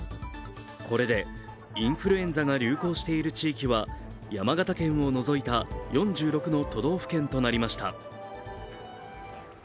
これでインフルエンザが流行している地域は山形県を除いた４６の都道府県となりました。